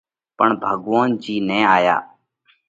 پڻ ڀڳوونَ جِي نہ آيا۔